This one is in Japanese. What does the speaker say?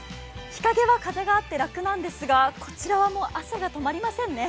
日陰は風があって楽なんですが、こちらは汗が止まりませんね。